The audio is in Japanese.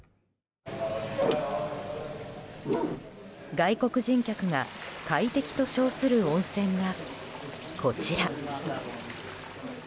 外国人客が快適と称する温泉がこちら。